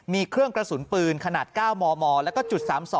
มีเครื่องกระสุนปืนขนาด๙มและ๐๓๒